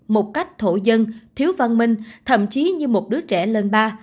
một cách thổ dân thiếu văn minh thậm chí như một đứa trẻ lên ba